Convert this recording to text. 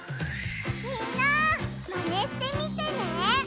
みんなマネしてみてね！